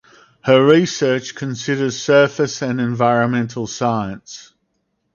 Her research considers surface and environmental science.